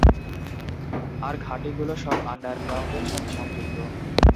আর ঘাঁটিগুলো সব আন্ডারগ্রাউন্ডের সাথে সংযুক্ত।